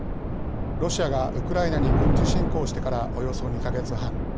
ロシアがウクライナに軍事侵攻してからおよそ２か月半。